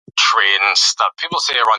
دا کیله تر هغې بلې کیلې ډېره پخه او خوږه ده.